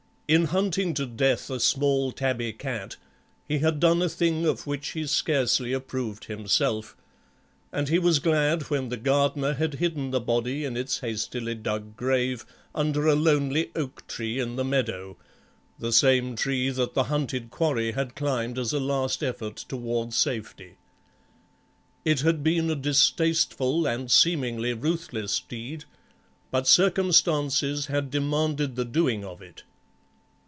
In hunting to death a small tabby cat he had done a thing of which he scarcely approved himself, and he was glad when the gardener had hidden the body in its hastily dug grave under a lone oak tree in the meadow, the same tree that the hunted quarry had climbed as a last effort towards safety. It had been a distasteful and seemingly ruthless deed, but circumstances had demanded the doing of it.